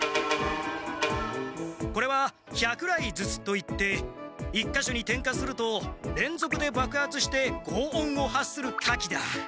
これは百雷銃といって１か所に点火するとれんぞくでばくはつしてごう音を発する火器だ。